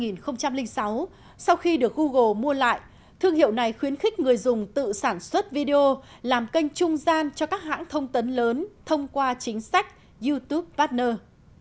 năm hai nghìn sáu sau khi được google mua lại thương hiệu này khuyến khích người dùng tự sản xuất video làm kênh trung gian cho các hãng thông tấn lớn thông qua chính sách youtube patner